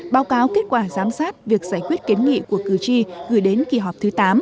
báo cáo kết quả giám sát việc giải quyết kiến nghị của cử tri gửi đến kỳ họp thứ tám